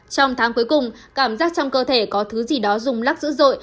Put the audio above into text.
trong tháng cuối cùng cảm giác trong cơ thể có thứ gì đó dùng lắc dữ dội